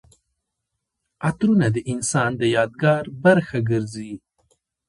عطرونه د انسان د یادګار برخه ګرځي.